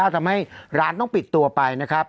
ทำให้ร้านต้องปิดตัวไปนะครับ